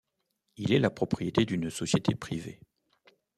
Il est la propriété d'une société privée.